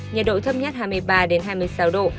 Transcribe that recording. nhiệt độ thấp nhất hai mươi ba hai mươi sáu độ